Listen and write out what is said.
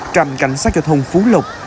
trành cảnh sát giao thông phú lộc